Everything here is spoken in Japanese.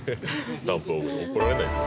スタンプ怒られないですよ